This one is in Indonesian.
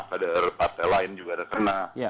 ada partai lain juga terkena